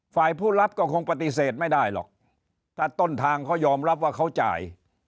ฝ่ายผู้รับก็คงปฏิเสธไม่ได้หรอกถ้าต้นทางเขายอมรับว่าเขาจ่าย